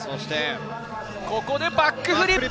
ここでバックフリップ！